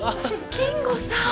金吾さん。